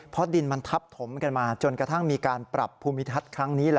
เพราะดินมันทับถมกันมาจนกระทั่งมีการปรับภูมิทัศน์ครั้งนี้